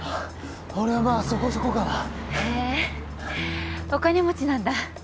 俺はまあそこそこかなへえお金持ちなんだ